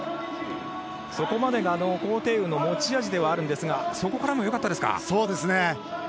そこまでが高亭宇の持ち味ではあるんですがそこからもよかったですね。